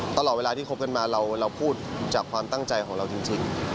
ตลอดเวลาที่คบกันมาเราพูดจากความตั้งใจของเราจริง